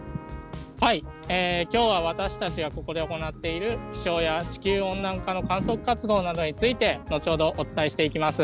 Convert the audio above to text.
きょうは私たちがここで行っている気象や地球温暖化の観測活動などについて、後ほどお伝えしていきます。